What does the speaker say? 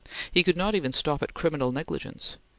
He could not even stop at criminal negligence.